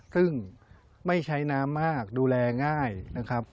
ซึ่งไม่ใช้น้ำมากดูแลง่ายนะครับ